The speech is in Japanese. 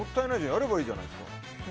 やればいいじゃないですか。